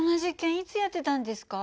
いつやってたんですか？